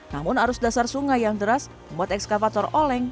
namun arus dasar sungai yang deras membuat ekskavator oleng